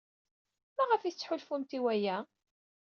Maɣef ay tettḥulfumt i waya?